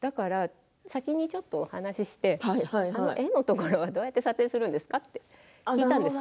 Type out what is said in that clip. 先にちょっとお話しして「え？」のところはどうやって説明するんですか？と聞いたんです。